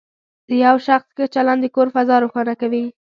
د یو شخص ښه چلند د کور فضا روښانه کوي.